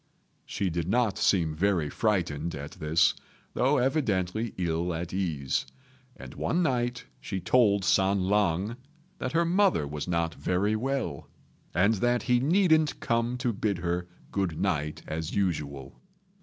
She did not seem very frightened at this, though evidently ill at ease; and one night she told San lang that her mother was not very well, and that he needn't come to bid her good night as usual.